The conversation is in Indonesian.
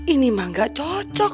ini mah gak cocok